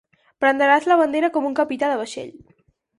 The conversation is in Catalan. Brandaràs la bandera com un capità de vaixell.